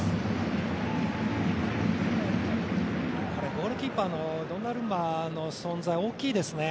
ゴールキーパーのドンナルンマの存在大きいですよね。